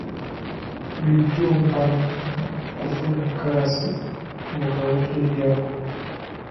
Bulijjo mpanga kufuna kkaasi mu ga wooteeri ago.